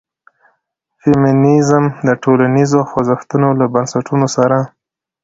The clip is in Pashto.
د فيمنيزم د ټولنيزو خوځښتونو له بنسټونو سره